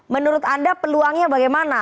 menurut anda peluangnya bagaimana